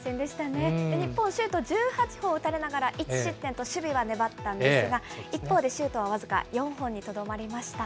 日本、シュート１８本打たれながらも、１失点と、守備は粘ったんですが、一方でシュートは僅か４本にとどまりました。